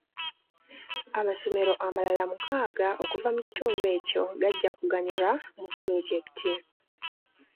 Amasomero amalala mukaaga okuva mu kitundu ekyo gajja kuganyulwa mu pulojekiti.